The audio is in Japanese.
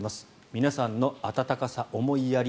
皆さんの温かさ、思いやり